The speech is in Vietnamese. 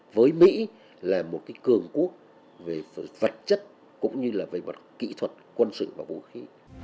với mỹ là một cường quốc về vật chất cũng như là về mặt kỹ thuật quân sự và vũ khí